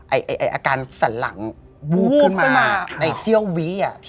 อาการสั่นหลังบูบขึ้นมาในเซียววิอ่ะ